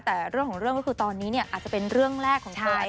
แต่เรื่องของเรื่องก็คือตอนนี้เนี่ยอาจจะเป็นเรื่องแรกของไทย